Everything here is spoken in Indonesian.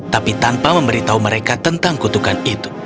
tapi tanpa memberitahu mereka tentang kutukan itu